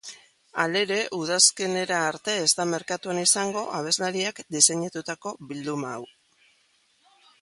Halere, udazkenera arte ez da merkatuan izango abeslariak diseinatutako bilduma hau.